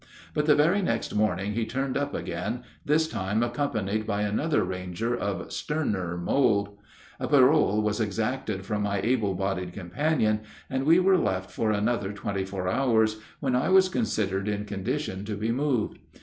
But the very next morning he turned up again, this time accompanied by another ranger of sterner mold. A parole was exacted from my able bodied companion, and we were left for another twenty four hours, when I was considered in condition to be moved.